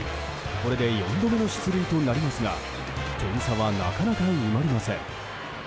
これで４度目の出塁となりますが点差はなかなか埋まりません。